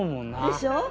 でしょう？